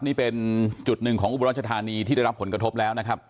นี่เป็นจุดหนึ่งของอุบรัชธานีที่ได้รับผลกระทบแล้วนะครับ